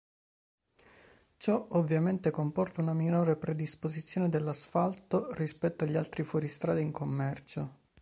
Ciò ovviamente comporta una minore predisposizione all'asfalto rispetto agli altri fuoristrada in commercio.